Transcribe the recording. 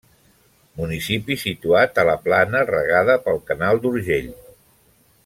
Municipi situat a la plana regada pel canal d'Urgell.